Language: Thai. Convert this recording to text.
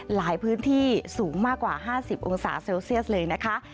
หลายพื้นที่สูงมากกว่า๕๐องศาเซลเซียสเลยนะคะ